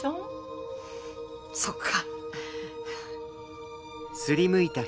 そっか。